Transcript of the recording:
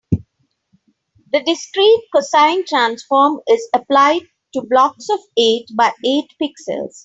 The discrete cosine transform is applied to blocks of eight by eight pixels.